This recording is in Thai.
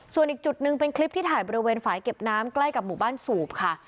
ส่วนอีกจุดหนึ่งเป็นคลิปที่ถ่ายบริเวณฝ่ายเก็บน้ำใกล้กับหมู่บ้านสูบค่ะ